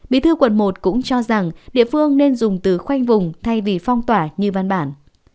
bí thư quận một cũng cho rằng địa phương nên dùng từ khoanh vùng thay vì phong tỏa như văn bản